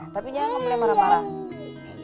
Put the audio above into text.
tapi jangan boleh marah marah